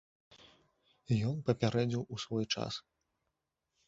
І ён папярэдзіў у свой час.